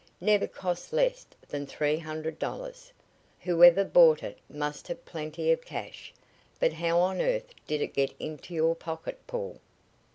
Never cost less than three hundred dollars. Whoever bought it must have plenty of cash. But how on earth did it get into your pocket, Paul?"